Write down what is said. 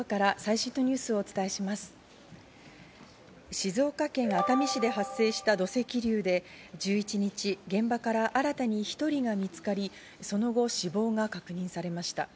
静岡県熱海市で発生した土石流で１１日、現場から新たに１人が見つかり、その後死亡が確認されました。